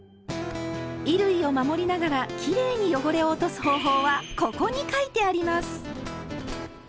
衣類を守りながらきれいに汚れを落とす方法は「ここ」に書いてあります！